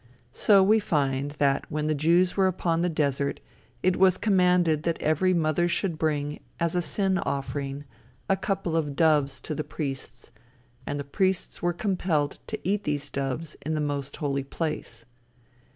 So, we find, that when the Jews were upon the desert it was commanded that every mother should bring, as a sin offering, a couple of doves to the priests, and the priests were compelled to eat these doves in the most holy place.